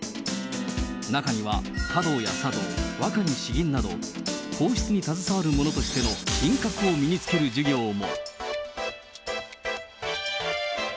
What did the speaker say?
中には華道や茶道、和歌に詩吟など、皇室に携わる者としての品格を身につける授業も。